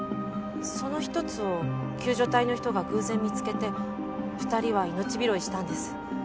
その一つを救助隊の人が偶然見つけて２人は命拾いしたんです。